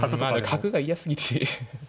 角が嫌すぎて。